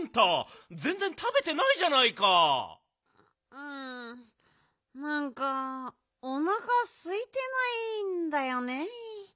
うんなんかおなかすいてないんだよね。